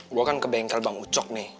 gue kan ke bengkel bang ucok nih